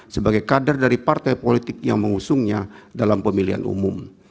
sebagai kader dari partai politik yang mengusungnya dalam pemilihan umum